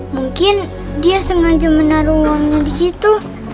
mungkin dia sengaja menaruh uangnya disitu